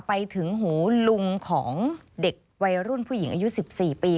ไปถึงหูลุงของเด็กวัยรุ่นผู้หญิงอายุ๑๔ปี